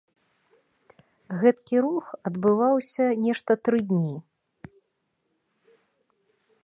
Гэткі рух адбываўся нешта тры дні.